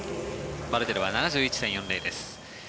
バルテルは７１．４０です。